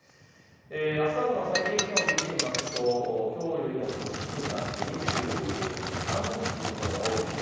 あす朝の最低気温を見てみるときょうよりも少し低くなって２２、２３度という所が多いです。